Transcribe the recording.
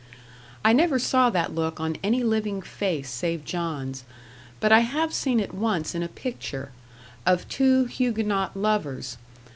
I never saw that look on any living face save John's; but I have seen it once in a picture of two Huguenot lovers.